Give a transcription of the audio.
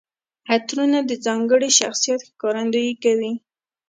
عطرونه د ځانګړي شخصیت ښکارندويي کوي.